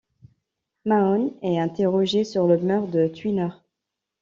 Mahone est interrogé sur le meurtre de Tweener.